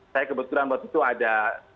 saya kebetulan waktu itu ada